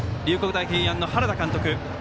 大平安の原田監督。